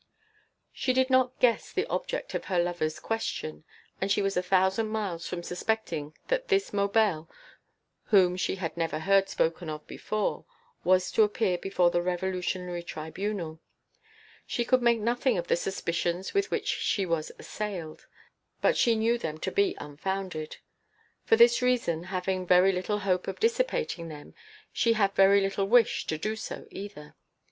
She did not guess the object of her lover's question and she was a thousand miles from suspecting that this Maubel, whom she had never heard spoken of before, was to appear before the Revolutionary Tribunal; she could make nothing of the suspicions with which she was assailed, but she knew them to be unfounded. For this reason, having very little hope of dissipating them, she had very little wish to do so either.